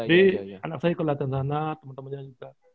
jadi anak saya ke latihan sana temen temennya juga